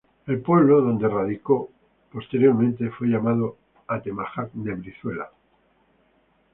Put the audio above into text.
El pueblo donde radicó, posteriormente fue llamado Atemajac de Brizuela.